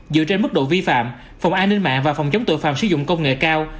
dựa trên mức độ vi phạm phòng an ninh mạng và phòng chống tội phạm sử dụng công nghệ cao